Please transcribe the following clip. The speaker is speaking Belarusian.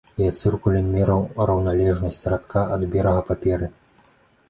Я цыркулем мераў раўналежнасць радка ад берага паперы.